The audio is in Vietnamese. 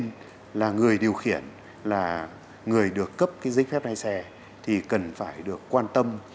nên là người điều khiển là người được cấp dịch phép lái xe thì cần phải được quan tâm